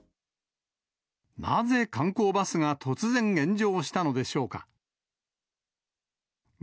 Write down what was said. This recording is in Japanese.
なぜ観光バスが突然炎上したのでしょうか。